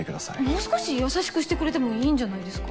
もう少し優しくしてくれてもいいんじゃないですか？